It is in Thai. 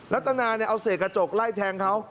ัตนาเอาเสกกระจกไล่แทงเขา